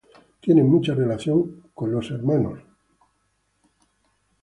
Tienen mucha relación con los hermanos de la caridad.